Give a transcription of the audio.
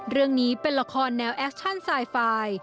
เรื่องนี้เป็นละครแนวแอคชั่นไซไฟล์